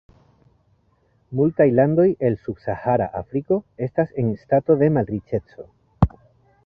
Multaj landoj el subsahara Afriko estas en stato de malriĉeco.